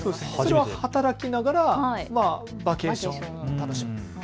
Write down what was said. それは働きながらバケーションという。